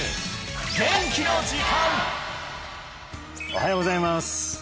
おはようございます